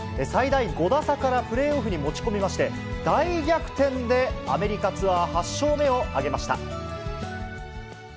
最大５打差からプレーオフに持ち込みまして、大逆転でアメリカツアー８勝目を挙げました。